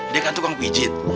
dia kan tukang pijit